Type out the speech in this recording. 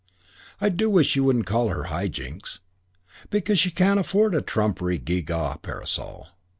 "I do wish you wouldn't call her High Jinks. Because she can't afford a trumpery, gee gaw parasol."